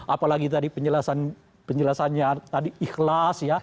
apalagi tadi penjelasannya ikhlas